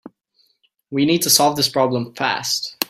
We need to solve this problem fast.